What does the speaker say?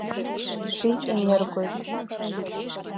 Ший эҥер гоч;